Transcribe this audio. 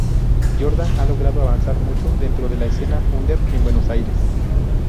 Jordan ha logrado avanzar mucho dentro de la escena Under en Buenos Aires.